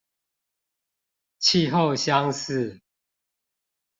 氣候相似